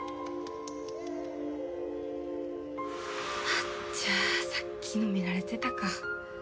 あちゃさっきの見られてたか。